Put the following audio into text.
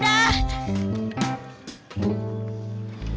ya udah deh